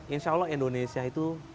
insya allah indonesia itu